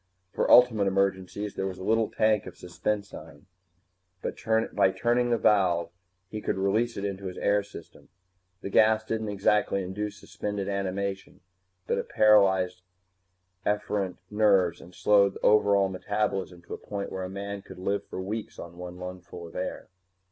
For ultimate emergencies there was the little tank of suspensine. By turning a valve, he could release it into his air system. The gas didn't exactly induce suspended animation, but it paralyzed efferent nerves and slowed the overall metabolism to a point where a man could live for weeks on one lungful of air.